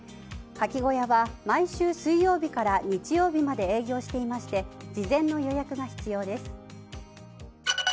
カキ小屋は毎週水曜日から日曜日まで営業していまして事前の予約が必要です。